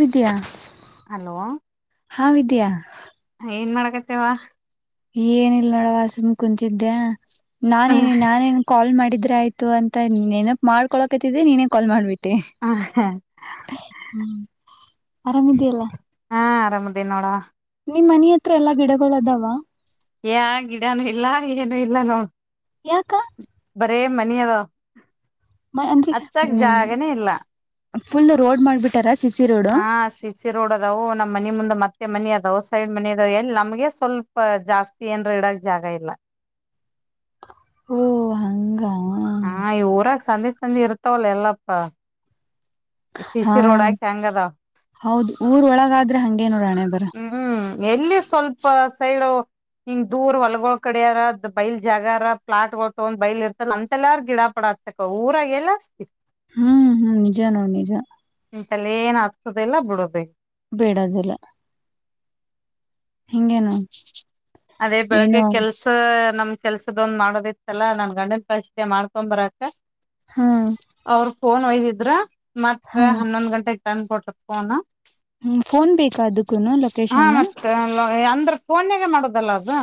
ವಿದ್ಯಾ, hello ಹಾ ವಿದ್ಯಾ ಏನ್ ಮಾಡಕತ್ತೇವಾ ಏನಿಲ್ಲ ನೋಡವ ಸುಮ್ಮ ಕುಂತಿದ್ದೆ ನಾನೇನಿ ನಾನೇನ್ ಕಾಲ್ ಮಾಡಿದ್ರೆ ಆಯ್ತು ಅಂತ ನೆನಪು ಮಾಡ್ಕೊಕತಿದ್ದೆ ನೀನೇ ಕಾಲ್ ಮಾಡ್ಬಿಟ್ಟಿ ಹಾ ಮ ಹ್ಮ [unintelligible] ಆರಾಮಿದೆಯಲ್ಲ ಹಾ ಆರಾಮದೇವ ನೋಡವ ನಿಮ್ ಮನಿ ಹತ್ರ ಎಲ್ಲಾ ಗಿಡಗಳು ಅದಾವ. ಯಾಗಿಡನು ಇಲ್ಲ ಏನೂ ಇಲ್ಲ ನೋಡು ಯಾಕ ಬರೇ ಮನಿ ಅಂದ್ರೆ ಅದಾವಅಚ್ಚಾಕ ಹ್ಮ್ ಜಾಗನೇ ಇಲ್ಲಾ. ಫುಲ್ ರೋಡ್ ಮಾಡ್ಬಿಟ್ಟು ತರ ಶಿಸಿಸಿ ರೋಡ್ ಹಾ, ಶಿಸಿ ರೋಡ್ ಅದಾವು ನಮ್ಮ ಮನಿ ಮುಂದ, ಮತ್ತೆ ಮನಿಅದಾವು. ಸೈಡ್ ಮನಿ ಅದಾವ ಎಲ್ಲಿ ನಮ್ಗೆ ಸ್ವಲ್ಪ ಜಾಸ್ತಿ ಏನ್ ಇಡಕ್ ಜಾಗ ಇಲ್ಲಾ. ಓಹೋ, ಹಂಗಾ ಹಾ, ಈ ಊರಾಗ ಸಂದಿ-ಸಂದಿಇರುತ್ತ ಮತ್ತೊಲ್ಲ ಎಲ್ಲಪ್ಪ [unintelligible] ಸಿ ಹಾ ಸಿ ರೋಡಾಕ ಹೆಂಗ ಅದಾವ ಹೌದು, ಊರ್ ಒಳಗಾದ್ರೆ ಹಂಗೆ ನೋಡಹಣೆಬರಹ. ಹ್ಮ್, ಎಲ್ಲಿ ಸ್ವಲ್ಪ ಸೈಡು ಹಿಂಗ ದೂರ್ ಹೊಲಗಳ ಕಡೆಯಾರದ್ ಬೈಲ್ ಜಾಗರ, ಫ್ಲಾಟ್ಗಳು ತಗೊಂಡ್ ಬೈಲ್ ಇರ್ತದ ಅಂತೆ ಎಲ್ಲಾರ ಗಿಡಾ -ಪಡ. ಸಕ ಊರಾಗ ಎಲ್ಲ ಹಾಸ್ತಿತ್ತು [unintelligible] ಹ್ಮ್, ಹ್ಮ್ ನಿಜ ನೋಡಿ ನಿಜಾ ಇಂತಲ್ಲಿ ಏನ್ ಅಚ್ಚದಿಲ್ಲಾ ಬಿಡೋದಿಲ್ಲಾ ಬೇಡಗಲ್ಲ [unintelligible] ನೋಡ್ ಅದೇ ಬೆಳಿಗ್ಗೆ ಏನೋ ಕೆಲ್ಸ ನಮ್ ಕೆಲ್ಸದಂದ್ ಮಾಡೋದಿತ್ತಲ್ಲಾ ನಾನ್ ಗಂಡನ್ ಕಸ ಮಾಡ್ಕೊಂಡ್ ಬರಕ ಹಾ ಅವ್ರ ಫೋನ್ ಒಯ್ದಿದ್ರ ಮತ್ತ ಹ್ಮ್ ಹನ್ನೊಂದ ಗಂಟೆಗೆ ಟೈಮ್ ಕೊಟ್ಟತದ ಫೋನ್ ಹ್ಮ ಫೋನ್ ಬೇಕಾ ಅದಕ್ಕೂನು ಲೊಕೇಶನ್ ಅಂದ್ರೆ ಫೋನ್ ನಾಗ ಮಾಡೋದಲ್ಲ ಅದು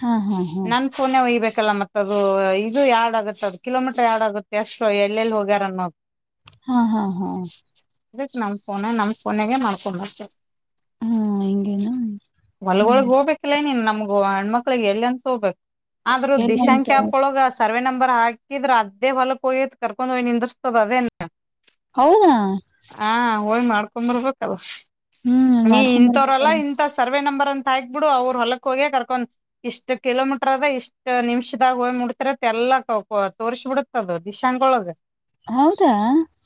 ಹಾ ಹಾ ಹಾ ಫೋನೆ ಒಯಬೇಕಲ್ಲ ಮತ್ತತ್ ಅದು ಇದು ಎರಡ್ ಆಗುತ್ತ ಅದು ಕಿಲೋ ಮೀಟರ್ ಯಾಡ್ ಆಗುತ್ತೆ ಅಷ್ಟು ಎಲೆಲ್ಲಿ ಹೋಗ್ಯಾರ ಅನ್ನೋದು ಹಾ ಹಾ ಹಾ ಅದ ನಮ್ ಫೋನ ನಮ್ ಫೋನಾಗ ಮಾಡ್ಕೊಂಡ ಬರ್ತಾರೆ ಹ್ಮ ಹಂಗೇನು ಹೊಲ್ಗೊಳಗ್ ಹೋಗ್ಬೇಕಿಲ್ಲ ನೀನ್ ನಮ್ಗ ಹೆಣ್ಮಕ್ಳಿಗೆ ಎಲ್ಲ ಅನ್ ಹೋಗ್ಬೇಕು ಆದ್ರೂ ಎಲ್ಲಂತ ದಿಸಶಾಂಕ್ಯಾಪ್ ವಳಗ ಸರ್ವೆ ನಂಬರ್ ಹಾಕಿದ್ರ ಅದೇ ಹೊಲ್ಕ್ ಹೊಯದ ಕರ್ಕೊಂಡ್ ಹೋಯಿದ ನಿಂದ್ರಸ್ತದ ಅದೇ ಹೌದಾ ಹ ಹೋಗಿ ಮಾಡ್ಕೊಂಡ್ ಬರಬೇಕಲ್ಲ ಹ್ಮ್ ನಾನ್ ನೀ ಮಾಡ್ಕೊಂಡ್ ಇಂಥವರಲ್ಲ ಬರ್ಬೇಕಲ್ಲ ಇಂತ ಸರ್ವೆ ನಂಬರ್ ಅ ಹ ಆಯಿತಬಿಡು ಅವರು ಹೊಲಕ್ಕಕ್ ಹೋಗಿ ಕರ್ಕೊಂಡ್ ಇಷ್ಟ್ ಕಿಲೋಮೀಟರ್ ಅದ ಇಷ್ಟ್ ನಿಮಿಷದಾಗ ಹೋಗ್ ಮುಡ್ತಾರ ಎಲ್ಲಾ ತೋರ್ಸ್ಬಿಡ ದಿಶಾಂಗಳ [unintelligible] ಹೌದಾ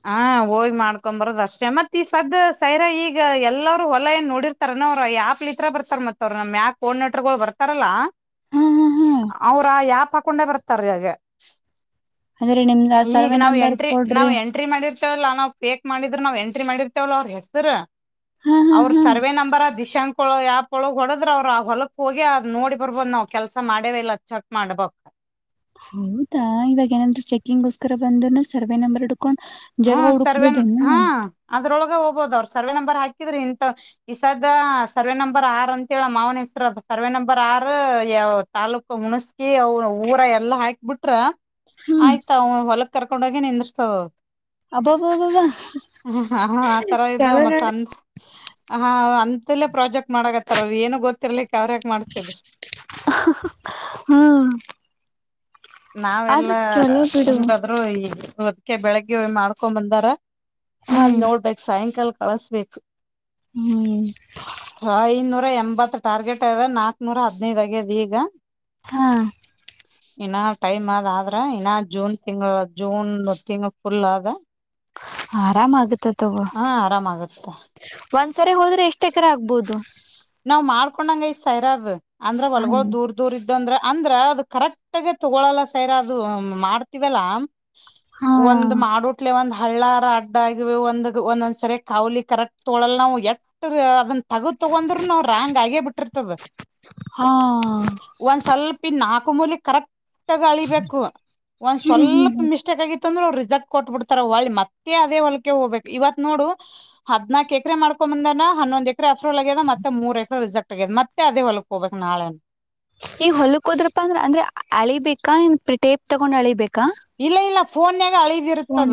ಹ ಹೋಯ್ ಮಾಡ್ಕೊಂಡ್ ಬರೋದ ಅಷ್ಟೇ ಮತ್ ಈ ಸದ ಸೈರ ಈಗ ಎಲ್ಲಾರೂ ಹೊಲ ಏನ್ ನೋಡಿರತಾರ ರ್ ನೋರ ಆ್ಯಪ್ ಇತ್ರ ಬರ್ತಾರ ಮತ್ ಅವರು ನಮ್ಮ್ ಮ್ಯಾಗ ಕೋ ಆರ್ಡಿನೇಟರ್ ಗಳ ಬರ್ತಾರಲ್ಲಾ ಹಾ ಹಾ ಹಾ ಅವ್ರ ಯಾಪ್ ಹಾಕೊಂಡೆ ಬರ್ತಾರ ಹಾಗಾಗೆ ಅದ್ರಿ ನಿಮ್ದ ಸರ್ವೆೇ ನಂಬರ್ ಎಂಟ್ರಿ ನಾವ್ ಕೊಡ್ರಿ ಎಂಟ್ರಿ ಮಾಡಿರ್ತವಲ್ಲ ನಾವ್ ಪೇಕ್ ಮಾಡಿದ್ರರು ನಾವ್ ಎಂಟಿ ಮಾಡಿರ್ತೇವಲ್ಲ ಅವ್ರ ಹೆಸರು ಹಾ ಹಾ ಅವ್ರ ಹಾ ಸರ್ವೆ ನಂಬರ್ ದಿಶಾಂಕ್ ಪಳ ಯಾಪ್ ಪೊಳಗ್ ಹೊಡದ್ರ ಅವ್ರು ಆ ಹೊಲಕ್ ಹೋಗಿ ಅ ನೋಡಿ ಬರಬಹುದ ನಾವ್ ಕೆಲ್ಸ ಮಾಡೇವ ಇಲ್ಲ ಹಚ್ಚಕ್ ಮಾಡ್ಬಕ್ ಹೌದಾ ಇವಾಗ ಏನಂದ್ ಚೆಕಿಂಗ್ಗೋಸ್ಕರ ಬಂದ್ನು ಸರ್ವೆ ನಂಬರ್ ಹಿಡ್ಕೊಂಡ್ ಜಾಗಾ ಹ್ಮ್ ಸರ್ವೆನ್ ಹುಡುಕ್ಬೋದನ ಹಾ ಅದ್ರೊಳಗ ಹೋಗಬೋದು ಅವ್ರರು ಸರ್ವೆ ನಂಬರ್ ಹಾಕಿದ್ರೆ ಇಂತ ಈಸದ್ದ ಸರ್ವೆ ನಂಬರ್ ಆರ್ ಅಂತ ಹೇಳ ಮಾವನ ಹೆಸರು ಸರ್ವೆ ನಂಬರ್ ಆರ್ ಯಾವ ತಾಲ್ಲೂಕ ಹುಣಸಗಿ ಅವನ ಊರ ಎಲ್ಲಾ ಹಾಕ್ಬಿಟ್ರ ಹ್ಮ್ ಆಯ್ತ ಅವ ಹೊಲಗ್ ಕರ್ಕೊಂಡೋಗೆ ನಿಂದಿಸ್ತ ಅದ ಅಬ್ಬಬ ಅಬವಾ ಹ ಹ ಆ ತರ ಇದಾವ ಮತ್ತ ಅ ಹಾ ಅಂತಲ್ಲೇ ಪ್ರಾಜೆಕ್ಟ್ ಮಾಡಕತ್ತಾರ ಅವ ಏನು ಗೊತ್ತಿರ್ಲಿಕ್ಕೆ ಅವ್ರ್ಯಾಕ ಮಾಡ್ತಿದ್ರ ಹ ಹ ಹ ಹ್ಮ್ ನಾವೆಲ್ಲಾ ಚಲೋ ಬಿಡು ಒಂದ ಈ ಅದ್ಕೆ ಬೆಳಗ್ಗೆ ಮಾಡ್ಕೊ ಬಂದಾರ ಮ್ ಹ್ಮ್ ನೋಡ್ಬೇಕ್ ಸಾಯಂಕಾಲ ಬಳಸ್ಬೇಕು ಹ್ಮ್ ಐನೂರ ಎಂಬತ್ತ- ಟಾರ್ಗೆಟ್ ಅದ ನಾಕ್ ನೂರು ಹದಿನೈದ್ ಆಗ್ಯದ ಈಗ ಹಾ ಇನ್ನ ಟೈಮ್ ಆದ್ ಆದ್ರ ಇನ್ನ ಜೂನ್ ತಿಂಗಳ ಜೂನ್ ತಿಂಗಳ ಫುಲ್ ಅದ ಆರಾಮ ಆಗುತ್ತ ತಗೋ ಹಾ ಆರಾಮಾಗುತ್ತೆ ಒಂದ್ಸರಿ ಹೋದ್ರೆ ಎಷ್ಟ ಎಕರ ಆಗ್ಬಹುದು. ನಾವ್ ಮಾಡ್ಕೊಂಡಂಗ ಸೈರದು ಅಂದ್ರೆ ಹೊಲ್ಗ ದೂರ್. ದೂರ ಇದ್ದಂದ್ರ ಅಂದ್ರ ಅದು ಕರೆಕ್ಟ್ಗ ತಗೊಳಲ್ಲ ಸೈರಾಜು ಅದು ಮಾಡ್ತಿವಲ್ಲ. ಹಾ ಒಂದ್ ಮಾಡೋಟ್ಲೆ ಒಂದ್. ಹಳ್ಳಾರ ಅಡ್ಡ ಆಗ ಒಂದ ಒಂದೊಂದ್ಸರಿ ಕಾವಲಿ ಕರೆಕ್ಟ್ ತೊಳಲ್ ನಾವು ಎಟ್ಟ ಅದ. ತಗೋದ್ ತಗೊಂಡ್ರರುನು ರಾಂಗ್ ಆಗೇ ಬಿಟ್ಟಿರ್ತದ. ಹಾ ಒಂದ್ ಸ್ವಲ್ಪ ಇನ್ ನಾಲ್ಕು ಮೂಲಿ ಕರೆಕ್ಟ್ಗ ಗಾಳಬೇಕು ಒಂದ್ ಹ್ಮ್ ಹ್ಮ್ ಸ್ವಲ್ಪ ಹ್ಮ್ ಮಿಸ್ಟೇಕ್ ಆಗಿತ್ತು. ಅಂದ್ರ ಅವ್ ರಿಸಲ್ಟ್ ಕೊಟ್ಬಿಡ್ತಾರ ಒಳ್ಳಿ ಮತ್ತೆ ಅದೇ ಹೊಲಕೆ ಹೋಗಬೇಕು ಇವತ್ ನೋಡು. ಹದ್ನಾಕಕ್ ಎಕರೆ ಮಾಡಕೊಂಬಂದನಾ ಹನ್ನೊಂದ ಎಕರೆ ಅಫ್ರೋಲ್ ಆಗ್ಯದತ್. ಮತ್ತ ಮೂರ ಎಕರೇ ರಿಜೆಕ್ಟ್ ಆಗದೆ ಮತ್ತ ಅದೇ ಹೊಲ್ಕೋಬೇಕು ನಾಳೆ. ಈಗ ಹೊಲಕ್ಕೆ ಹೊದ್ರಪ್ಪ ಅಂದ್ರ ಅಂದ್ರೆ ಅಳಿಬೇಕಾ ಇಲ್ಲ ಇಟೇಪ್ ತಗೊಂಡ್ ಅಳಿಬೇಕಾ. ಇಲ್ಲ ಇಲ್ಲ ಫೋನಗ ಅಳಿಬೇಕು. ಫೋನ್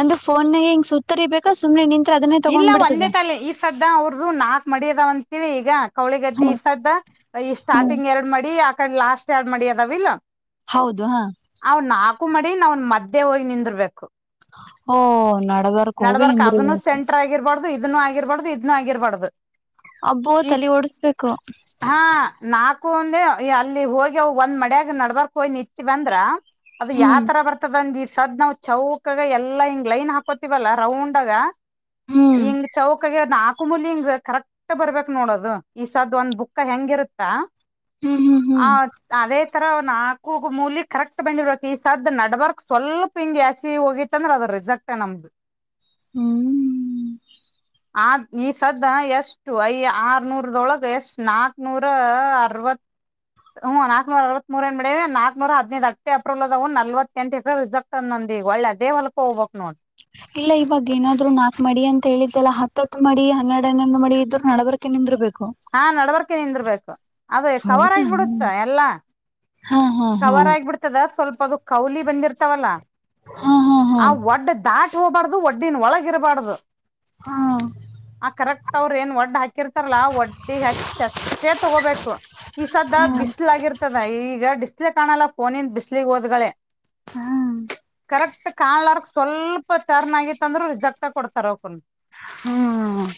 ಅಂದ್ರೆಫೋನ್ಗ ಹಿಂಗ್ ಸುತ್ತರಿಬೇಕಾ ಸುಮ್ನೆ ನಿಂತ್ ಅದನ್ನೇ ಇಲ್ಲ ತಗೊಂಡ್ ಒಂದೇ ಬಿಡ್ತದ ತಲೆ ಈ ಸದ್ದ ಅವ್ರ್ದ ನಾಲ್ಕ್ ಮಡಿಯದಾವ ಅಂತೀನಿ ಈಗ ಕೌಳಿಗದ್ದಿ ಈ ಸದ್ದ. ಈ ಸ್ಟಾರ್ಟಿಂಗ್ ಎರಡ್ ಮಾಡಿ ಆಕಡೆ ಲಾಸ್ಟ್ ಎರಡ್ ಮಾಡಿ ಅದಾವಿ ಇಲ್ಲ. ಹೌದು ಹಾ. ಅವ್ ನಾಲ್ಕು ಮಡಿ ನಾವ್ನ್ ಮದ್ಯ ಹೋಗಿ ನಿಂದರ್ಬೇಕು. ಓಹೋ ನೆಡೆದರ್ಕ್ ಹೋಗೇ ನಡ್ಬರ್ಕ್ ಅದನ್ನು ನಿಂದ್ರಬೇಕು ಸೆಂಟರ್ ಆಗಿರ್ಬಾರ್ದು ಇದನ್ನೂ ಆಗಿಬಾರ್ದ ಇದನ್ನು ಆಗಿರ್ಬಾರ್ದದು. ಅಬ್ಬ ತಲಿ ಓಡುಸ್ಬೇಕು. ಹಾ ನಾಕು ಅಂದೆ ಅಲ್ಲಿ ಹೋಗಿ ಅವ ಒಂದ್ ಮಡ್ಯಾಗ ನೆಡಿಯಾಕ್ ಹೋಗಿ ನಿಂತ ಬಂದ್ರ. ಅದು ಹ್ಮ್ ಯಾವತರ ಬರ್ತದಂದ ಈ ಸದ್ ನಾವು ಚೌಕಾಗ ಎಲ್ಲ ಹಿಂಗ್ ಲೈನ್ ಹಾಕೋತಿವಲ್ಲ ರೌಂಡ್. ಹ್ಮ್ ಹಂಗ ಚೌಕಾಗ ನಾ. ನಾಕು ಮೂಲೆ ಇಂಗೆ ಕರೆಕ್ಟ್ ಬರ್ಬೇಕ್ ನೋಡೋದು ಈಸದ ಒಂದ್ ಬುಕ್ಕ ಹೆಂಗಿರುತ್ತಾ. ಹ್ಮ್ ಹ್ಮ್ ಹ ಹ್ಮ್ ಅದೇ ತರ ಅವ್ ನಾಕು ಮೂಲಿ ಕರೆಕ್ಟ್ ಬಂದಿಡ್ಬೇಕು ಈ ಸಾದ್ ನೆಟ್ವರ್ಕ್ ಸ್ವಲ್ಪ. ಹಿಂಗೆ ಹೋಗಿತ್ತಂದ್ರೆ ಅದು ರಿಸೆಕ್ಟ್ ನಮ್ದು. ಹ್ಮ್ ಆ ಈಸದ ಎಷ್ಟು ಯ ಆರ್ನೂರದೊಳಗೆ ಎಷ್ಟು ನಾಕ್ನೂರ ಅರವತ್ತು. ಹ್ಮ್ ನಾಕ್ನೂರ ಅರವತ್ಮೂರು ಏನ್ಡೇವೆ ನಾಕ್ನೂರ ಹದಿನೈದ ಅಷ್ಟ ಅಪ್ರೂಲ್ದ್ ನವಲತುನೆಂಟು ರಿಜೆಕ್ಟ್ ನಂದ ಈ ಒಳ್ಳದೇ ಈಗ ಅದೇ ಹೊಲಕ್ಕೆ ಹೋಗ್ಬೆಕ್ ನೋಡ್. ಇಲ್ಲ ಇವಾಗ ಏನಾದ್ರು ನಾಕ್ ಮಾಡಿ ಅಂತ ಹೇಳಿದ್ದಲ್ಲ ಹತ್ ಮಾಡಿ ಹನ್ನೆರಡು ಹನ್ನೆರಡ ಮಾಡಿ ಇದ್ರು. ಕ್ಕೆ ನಿಂದ್ರಬೇಕು. ಹಾ ನೆಟ್ವರ್ಕ್ ನಿಂದಿರ್ಬೇಕು ಅದು ಕವರ್ ಹೌದಾ ಆಗಿಬಿಡುತ್ತ ಎಲ್ಲಾ. ಹಾ ಹಾ ಹಾ ಕವರ್ ಆಗಿಬಿಡ್ತದ ಸ್ವಲ್ಪ ಅದು ಕೌಲಿ ಬಂದಿರ್ತಾವಲ್ಲ ಹಾ ಆ ಹಾ ಒಡ್ಡ ದಾಟ. ದಾಟು ಹೋಗಬಾರ್ದು ಒಡಿನ ಒಳಗು ಇರಬಾರ್ದು. ಹಾ ಆ ಕರೆಕ್ಟ್ ಅವ್ರ ಏನ್ ವಡ್ ಹಾಕಿರ್ತಾರಲ್ಲಾ ವಡ್ಡಿಗೆ ಹಚ್ಚಷ್ಟೇ ತಗೋಬೇಕು. ಈಸದ ಬಿಸ್ಲ ಆಗಿರ್ತದ ಈಗ ಡಿಸ್ಪ್ಲೇ ಕಾಣಲ್ಲ ಫೋನಿಂದ ಬಿಸ್ಲಗ್ ಹೋದ್ಗಳೇ. ಹಾ. ಕರೆಕ್ಟ್ ಕಾಣಲಾರಕ್ ಸ್ವಲ್ಪ ಟರ್ನ್ ಆಗಿತ್ತ ಅಂದ್ರರ ರಿಜಕ್ಟ್ ಕೊಡ್ತಾರ ಅವಕುನು. ಹಾ ಹಾ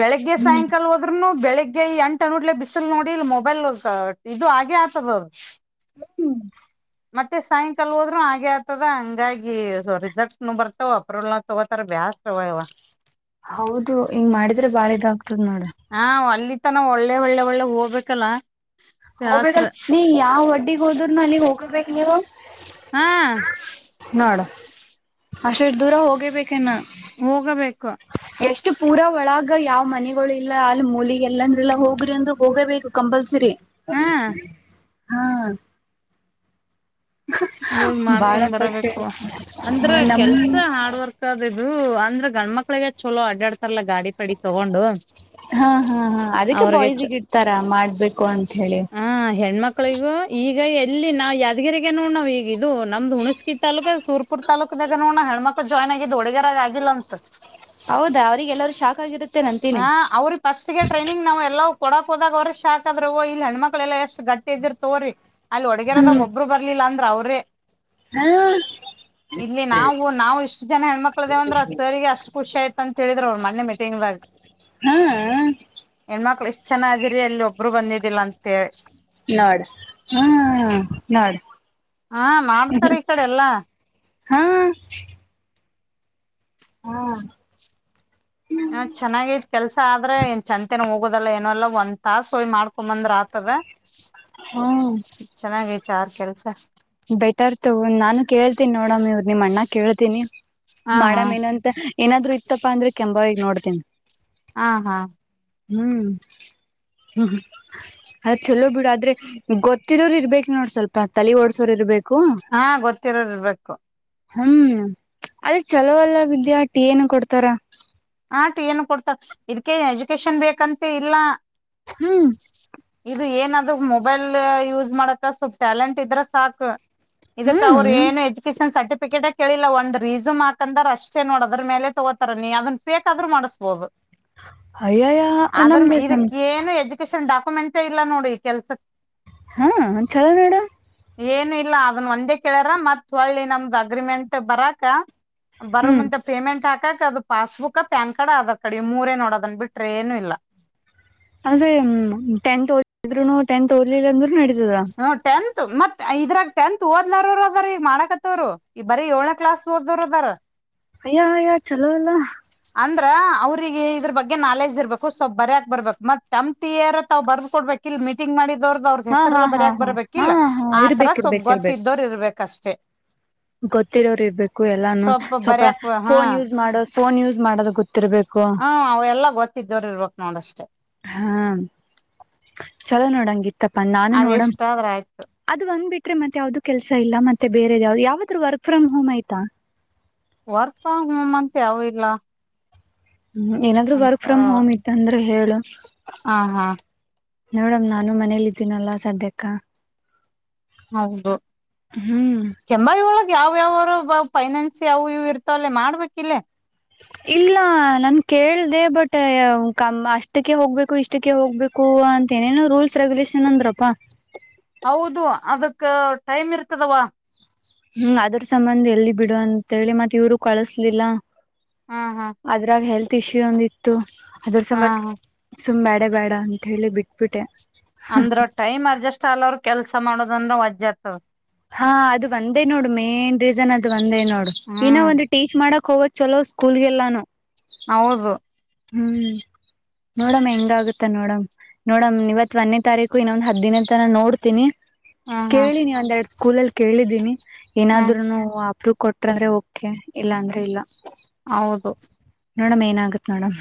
ಬೆಳಗ್ಗೆ ಹ್ಮ್ ಸಾಯಂಕಾಲ ಹೋದ್ರೂನು ಬೆಳಗ್ಗೆ. ಬೆಳಗ್ಗೆ ನೆಂಟನೋಡ್ಲೆ ಬಿಸ್ಲ್ ನೋಡಿ ಇಲ್ಲಿ ಮೊಬೈಲ್ ಇದು ಹಾಗೆ ಆತದ. ಮತ್ತೆ ಸಾಯಂಕಾಲ ಹೋದ್ರೂನು ಹಾಗೆ ಆತದ ಹಂಗಾಗಿ ಸೊ ರಿಜೆಕ್ಟ್ನು ಬರ್ತಾವ ಅಪ್ರೂವಲ್ ನ ತಗೋತಾರ ಬ್ಯಾಸ್. ಯವ್ವ ಯವ್ವ? [inaudible] ಹೌದು ಹಿಂಗ ಮಾಡಿದ್ರೆ ಬಾಳ ಇದಾಗ್ತದ ನೋಡ. [inaudible] ಹಾ ಅವ ಅಲ್ಲಿ ತನ ಒಳ್ಳೆ ಒಳ್ಳೆ ಒಳ್ಳೆ ಹೋಗಬೇಕಲ್ಲ. [inaudible] ಹೋಗಬೇಕಂತ ನೀ ಯಾವ್ ಒಡ್ಡಿಗ್ ಹೋದ್ರೂನು ಅಲ್ಲಿಗ್ ಹೋಗಬೇಕ್ ನೀವು? [inaudible] ಹಾ [inaudible] ನೋಡು ಅಷ್ಟಷ್ಟ ದೂರ ಹೋಗೇ ಬೇಕೇನ್ ನಾ? [inaudible] ಹೋಗಬೇಕ. [inaudible] ಎಷ್ಟು ಪೂರಾ ಒಳಗ ಯಾವ್ ಮನೆಗಳು ಇಲ್ಲ ಅಲ್ಲಿ ಮೂಲಿಗೆ ಎಲ್ಲಂದ್ರೆಲ್ಲಾ ಹೋಗ್ರಿ ಅಂದ್ರರು ಹೋಗೇಬೇಕು. [inaudible] ಕಂಪಲ್ಸರಿ ಹಾ ಹಾ [inaudible] ಹೋದ್ ಬಾಳ ಮಾಡ್ಕೊಂಡ್ ಬರಬೇಕು ಅಷ್ಟೇ ಅಂದರೆ ಹ ನಮ್ ಕೆಲಸಾ ಹಾರ್ಡ್ವರ್ಕ್. [inaudible] ತಂದ ಇದು ಅಂದ್ರ ಗಂಡ ಮಕ್ಳಿಗೆ ಚಲೋ ಅಡ್ಡಾಡ್ತಾರಲ್ಲಾ ಗಾಡಿ [inaudible] ಹಾ ಹಾ ಹಾ ಅದಕ್ಕೆ ಅವ್ರಿಗೆ ಚ ಬಾಯ್ಸಗೆ ಇಡ್ತಾರ ಮಾಡಬೇಕು ಅಂತ ಹೇಳಿ. [inaudible] ಹ ಹೆಣ್ಮಕ್ಳಿಗೂ ಈಗ ಎಲ್ಲಿ ನಾವು ಯಾದಗಿರಿಗ ನೋಡ ನಾವ [inaudible] ಈಗ ಇದು ನಮ್ದು ಹುಣಸಕಿ ತಾಲೂಕು ಸೂರ್ಪುರ್ ತಾಲೂಕದಾಗ ನೋಡ ನಾನ್ ಹೆಣ್ಣ ಮಕ್ಕಳ ಜಾಯ್ನ್ ಆಗಿದ್ದು ಹುಡುಗಿಯರಗ ಆಗಿಲ್ಲ ಅಂತ. [inaudible] ಹೌದಾ ಅವ್ರರಿಗೆಲ್ಲರೂ ಶಾಕ್ ಆಗಿರುತ್ತೆ ನಂತೀನಿ. ಆ [inaudible] ಅವ್ರಿಗೆ ಫಸ್ಟ್ ಗೆ ಟ್ರೈನಿಂಗ್ ನಾವವುಲ್ಲ ಕೊಡಕಕ್ ಹೋದಾಗ ಅವ್ರರು ಶಾಕ್ ಆದ್ರ ಓ ಇಲ್ಲಿ ಹೆಣ್ಮಕ್ಳ ಎಲ್ಲ ಎಷ್ಟ್ ಗಟ್ಟಿ ಇದ್ದಿರಿ ತೋರರಿ. [inaudible] ಅಲ್ಲಿ ಹುಡುಗೇರಿದಾಗ ಹ್ಮ್ ಒಬ್ರು ಬರ್ಲಿಲ್ಲ ಅಂದ್ರು ಅವ್ರೇ. ಹಾ [inaudible] ಇಲ್ಲಿ ನಾವು ನಾವು ಇಷ್ಟು ಜನ ಹೆಣ್ಮಕ್ಳದೇವ ಅಂದ್ರ ಸರಿಗೆ ಅಷ್ಟ್ ಖುಷಿ ಆಯ್ತ. [inaudible] ಅಂತ ಹೇಳಿದರ ಅವರ ಮೊನ್ನೆ ಮೀಟಿಂಗ ದಾಗ. [inaudible] ಹ [inaudible] ಹ [inaudible] ಹೆಣ್ಮಕ್ಳು ಇಷ್ಟ್ ಚನ ಆದಿರಿ ಅಲ್ಲಿ ಒಬ್ರು ಬಂದಿದ್ದಿಲ್ಲ ಅಂತ ಹೇಳಿ. [inaudible] ನೋಡ ಹೂ ನೋಡ. [inaudible] ಹಾ ಮಾಡ್ತಾರೆ ಈ ಕಡೆ ಎಲ್ಲಾ? [inaudible] ಹ [inaudible] ಹಾ [inaudible] ಹ ಚೆನ್ನಾಗಿ ಕೆಲಸಾ ಆದ್ರೆ ಏನ್ ಚಂತೆನ ಹೋಗೋದಲ್ಲ ಏನಲ್ಲ ಒಂದ [inaudible] ತಾಸ ಹೋಗಿ ಮಾಡ್ಕೊಮ ಬಂದ್ರ ಆತದ ಹ್ಮ್ ಚೆನ್ನಾಗೈತೆ ಆರ್ ಕೆಲಸಾ? [inaudible] ಬೆಟರ್ ತೊಗೊ ನಾನು ಕೇಳ್ತೀನಿ ನೋಡಮು ಇವರ ನಿಮ್ಮ ಅಣ್ಣ ಕೇಳ್ತೀನಿ ಹಾ ಹಾ ಮಾಡಮ್ ಏನಂತ? [inaudible] ಏನಾದ್ರು ಇತ್ತಪ್ಪಾ ಅಂದ್ರೆ ಕೆಂಬವಿಗಿ ನೋಡ್ತೀನಿ. [inaudible] ಆ ಹಾ [inaudible] ಹೂ [inaudible] ಹೂ ಅದ್ ಚಲೋ ಬಿಡು ಆದ್ರೆ ಗೊತ್ತಿರೋರು ಇರ್ಬೇಕ್ ನೋಡ ಸ್ವಲ್ಪ ತಲೆ ಓಡ್ಸ [inaudible] ತರ್ಬೇಕ [inaudible] ಹಾ ಗೊತ್ತಿರೋರು ಇರ್ಬೇಕು. [inaudible] ಹೂ ಚಲೋ ಅಲ್ಲ ವಿದ್ಯಾ ಟಿ ಏನ ಕೊಡ್ತಾರಾ? [inaudible] ಆ ಟಿ ಏನು ಕೊಡ್ತಾರ ಇದಕ್ಕೆ ಎಜುಕೇಶನ್ ಬೇಕಂತ ಇಲ್ಲ? [inaudible] ಹ್ಮ್ ಇದು ಏನದು ಮೊಬೈಲ್ ಯೂಜ್ ಮಾಡಕ ಸ್ವಲ್ಪ್ ಸೈಲೆಂಟ್ ಇದ್ರೆ ಸಾಕ? [inaudible] ಇದಕ್ ಅವರು ಹ್ಮ್ ಏನು ಎಜುಕೇಶನ್ ಸರ್ಟಿಫಿಕೇಟ್. [inaudible] ಕೇಳಿಲ್ಲ ಒಂದ್ ರೀಸಮ್ ಆತಂದ್ರ ಅಷ್ಟೇ ನೋಡ ಅದ್ರ ಮೇಲೆ ತಗೋತಾರ ನೀ ಅದನ್ ಫೇಕ್ ಆದ್ರೂ ಮಾಡಿಸ್ಬೋದ. [inaudible] ಅಯ್ಯಯ್ಯ ಆದ್ರ ನಮ್ದ ಇದಕ್ಕ ಏನು ಎಜುಕೇಶನ್ ಡಾಕ್ಯುಮೆಂಟ್ ಇಲ್ಲ ನೋಡಿ ಈ ಕೆಲಸಕ್ಕ. [inaudible] ಹೂ ಚಲೋ ನೋಡು. [inaudible] ಏನು ಇಲ್ಲ ಅದನ್ ಒಂದೇ ಕೇಳ್ಯಾರ ಮತ್ತ ಹೋಳ್ಳಿ ನಮ್ದ ಅಗ್ರಿಮೆಂಟ್ ಬರಾಕ [inaudible] ಬರ ಹ್ಮ್ ಮುಂದ ಪೇಮೆಂಟ್ ಹಾಕಕ್ ಅದು ಬರು ಮುಂದ ಪೇಮೆಂಟ್ ಹಕಾಕ passbook, PAN card, Aadhaar card ಇವ್ ಮೂರೇ ನೋಡು ಅದನ್ ಬಿಟ್ರೆ ಏನು ಇಲ್ಲ. [inaudible] ಅಂದ್ರೆ ಟೆತ್ ಓದಿದ್ರುನು ಟೆಂತ್ ಓದಲಿಲ್ಲ ಅಂದ್ರು ನಡೀತದ. [inaudible] ಹ ಟೆಂತ್ ಮತ್ ಇದ್ರಾಗ ಟೆಂತ್ ಓದನವರುದ್ರ ಮಾಡಕತ್ತವ್ರು. ಈ ಬರೀ ಏಳ್ನೇ ಕ್ಲಾಸ್ ಓದ್ರುರು ಇದ್ದರೆ ಅಯ್ಯೋ ಅಯ್ಯೋ ಚಲೋ ಇಲ್ಲ. ಅಂದ್ರ ಅವ್ರಿಗೆ ಇದ್ರ ಬಗ್ಗೆ ನಾಲೆಜ್ ಇರ್ಬೇಕು ಸ್ವಲ್ ಬರಯಕ್ ಬರ್ಬೇಕು ಮತ್ ತಮ್ಮ ಕೈಯಾರ ತಾವ್ ಬರ್ದ ಕೊಡ್ಬೇಕ. ಇಲ್ ಮೀಟಿಂಗ್ ಮಾಡಿದವರ್ಗ್ ಅವ್ರದ ಹಾ ಹಾ ಹೆಸರೆಲ್ಲ ಹಾ ಬರಯಕ್ ಹಾ ಬರ್ಬೇಕಕ್ ಇಲ್ಲ ಹಾ ಹಾ ಆತರ ಇರ್ಬೇಕ್ ಸ್ವಲ್ಪ್ ಇರ್ಬೇಕ್ ಇರ್ಬೇಕ್ ಗೊತ್ತ್ದೋರು ಇರ್ಬೇಕು. ಅಷ್ಟೇ. ಗೊತ್ತಿರೋರು ಇರ್ಬೇಕು ಎಲ್ಲಾನು ಸ್ವಲ್ಪ ಬರ್ಯಕ್ ಹಾ ಫೋನ್ ಯೂಸ್ ಮಾಡೋ. ಫೋನ್ ಯೂಸ್ ಮಾಡೋದು ಗೊತ್ತಿರ್ಬೇಕು. ಹ್ಮ ಅವೆಲ್ಲ ಗೊತ್ತಿದ್ದವರು ಇರ್ಬೇಕಕ್ ನೋಡಷ್ಟೇ. ಹಾ ಚಲೋ ನೋಡೊ ಹಾಗೆ ಇತ್ತಪ್ಪ ಅಂದ್ರೆ ನಾನು ಅದ ನೋಡ. ಇಷ್ಟ ಆದ್ರ ಆಯ್ತು ಅದು ಒಂದು ಬಿಟ್ರೆ ಯಾವ್ದದು ಕೆಲಸ ಇಲ್ಲ ಮತ್ತೆ ಬೇರೆ ಯಾವ್ದ ಯಾವ್ದ್ ವರ್ಕ್ ಫ್ರಮ್ ಹೋಂ ಆಯ್ತಾ. ವರ್ಕ್ ಫ್ರಮ್ ಹೋಮ್ ಅಂತ ಯಾವು ಇಲ್ಲ. ಹ್ಮ್ ಏನಾದ್ರು ಅಂತ ವರ್ಕ್ ಫ್ರಮ್ ಹೋಮ್ ಇತ್ತು ಅಂದ್ರೆ ಹೇಳು.. ಹಾ ಹಾ. ನೋಡಮ್ ನಾನು ಮನೇಲಿ ಇದ್ದೀನಲ್ಲಾ ಸದ್ಯಕ್ಕ. ಹೌದು. ಹ್ಮ್ ಕೆಂಬಾವಿ ಒಳಗ ಯಾವ ಯಾವರು ಪೈನಾನ್ಸ್ ಅವು ಇವ್ ಇರ್ತಾವಲ್ಲ ಮಾಡಬೇಕಿಲ್ಲೇ. ಇಲ್ಲ ನನ್ ಕೇಳ್ದೆ ಬಟ್ ಅಷ್ಟಕ್ಕೆ ಹೋಗ್ಬೇಕು ಇಷ್ಟ. ಅಷ್ಟಕ್ಕೆ ಹೋಗ್ಬೇಕು ಅಂತ ಏನೇನೋ ರೂಲ್ಸ್ ರೆಗ್ಯುಲೇಷನ್ ಅಂದ್ರಪಾ. ಹೌದು ಅದಕ್ ಟೈಮ್ ಇರ್ತದವಾ. ಹ್ಮ್ ಅದ್ರ ಸಂಬಂಧ ಎಲ್ಲಿ ಬಿಡು ಅಂತೇಳಿ ಮತ್ ಇವರು ಕಳಸ್ಲಿಲ್ಲ. ಹಾ ಹಾ. ಅದ್ರಾಗ ಹೆಲ್ತ್ ಇಶ್ಯೂ ಒಂದಿತ್ತು ಅದ್ರ ಹಾ ಸಲುವಾಗಿ. ಹ ಸುಮ್ ಬ್ಯಾಡ ಬೇಡ ಅಂತ ಹೇಳಿ ಬಿಟ್ಬಿಟ್ಟೆ. ಅಂದ್ರ ಟೈಮ್ ಅಡ್ಜಸ್ಟ್ ಅಲ್ ಅವರು ಕೆಲ್ಸ ಮಾಡೋದಂದ್ರ ವಜ್ಜಾತ. ಹಾ ಅದು ಒಂದೇ ನೋಡು ಮೇನ್ ರೀಸನ್ ಅದು ಒಂದೇ ನೋಡು ಇನ್ನ ಹ್ಮ್ ಒಂದು. ಟೀಚ್ ಮಾಡಕ್ ಹೋಗೋ ಚಲೋ ಸ್ಕೂಲ್ಗೆಲ್ಲಾನು. ಹೌದು ಹ್ಮ್ ನೋಡಮ ಹೆಂಗ ಆಗುತ್ತೆ ನೋಡಮ. ನೋಡಮ ಇವತ್ ಒಂದನೇ ತಾರೀಕು ಇನ್ನೊಂದ್ ಹದ್ದಿನ ತಾನಾ ನೋಡ್ತೀನಿ. ಹ್ಮ್ ಹ್ಮ್ ಕೇಳೀನಿ ಒಂದೆರಡು ಸ್ಕೂಲ ಅಲ್ಲಿ ಕೇಳಿದ್ದೀನಿ ಹ್ಮ್ ಏನಾದ್ರುೂನು ಅಪ್ರೂ ಕೊಟ್ಟ. ಅಂದ್ರೆ ಓಕೆ ಇಲ್ಲಾಂದ್ರೆ ಇಲ್ಲ. ಹೌದು ನೋಡಮ ಏನಾಗತ್ ನೋಡಮ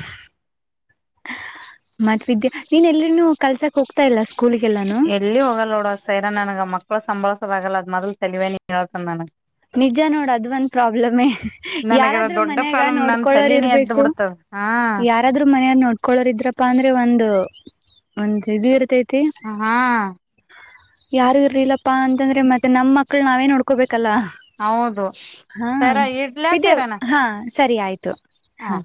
ಮತ್ ವಿದ್ಯಾ ನೀನ್ ಎಲ್ರಿನು. ಕಲ್ಸಕ್ ಹೋಗ್ತಾ ಇಲ್ಲ ಸ್ಕೂಲ್ಗೆಲ್ಲಾನು. ಎಲ್ಲಿ ಹೋಗಲ್ಲೋಡ ಸೈರನ್ ನನಗೆ ಮಕ್ಕಳು ಸಂಬಳಸವಾಗಲ್ಲ ಅದ ಮೊದಲುತಲೆವಾಣಿನೀ ಹೇಳ್ತ ನನಗೆ ನಿಜ ನೋಡು ಅದ ಒಂದ್ ಪ್ರಾಬ್ಲಮೇ ನನಗದ ಯಾರಾದ್ರೂ ದೊಡ್ಡ ಮನ್ಯಾಗ ಪ್ರಾಬ್ಲಮ್ ನನ್ ನೋಡ್ಕೊಳೋರ್ ತಲಿನೇ ಎದ್ದ್ ಇರ್ಬೇಕು ಬಿಡ್ತದ ಹಾ ಯಾದ್ರರು ಮನೆಯವ ನೋಡ್ಕೊಳ್ಳೋರ್ ಇದ್ರಪ್ಪಾ ಅಂದ್ರೆ ಒಂದ ಒಂದ್ ಇದು ಇರತೈತಿ. ಹಾ ಯಾರು ಇರ್ಲಿಲ್ಲಪ್ಪಾ ಅಂತಂದ್ರೆ ಮತ್ತೆ ನಮ್ಮ ಮಕ್ಳು ನಾವೇನ್ ನೋಡ್ಕೋಬೇಕಲ್ಲ. ಹೌದು ಹಾ ಸರ ಇಡ್ಲಾ ವಿದ್ಯ ಸರನಾ ಹಾಸರಿ ಆಯ್ತು ಹ ಹಾ.